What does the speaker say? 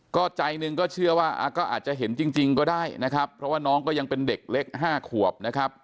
ก็ใจหนึ่งก็เชื่อว่าก็อาจจะเห็นจริงก็ได้นะครับเพราะว่าน้องก็ยังเป็นเด็กเล็ก๕ขวบนะครับ